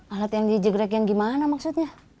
alat yang dijegrek yang gimana maksudnya